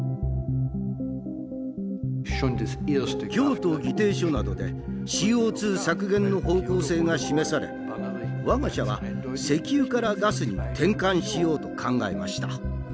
京都議定書などでＣＯ削減の方向性が示され我が社は石油からガスに転換しようと考えました。